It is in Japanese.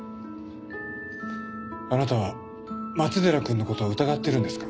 あなたは松寺君のことを疑ってるんですか？